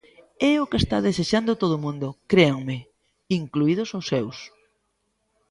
É o que está desexando todo o mundo, créanme, incluídos os seus.